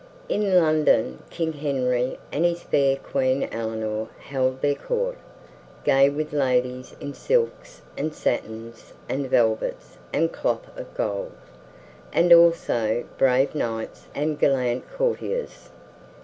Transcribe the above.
In London King Henry and his fair Queen Eleanor held their court, gay with ladies in silks and satins and velvets and cloth of gold, and also brave knights and gallant courtiers.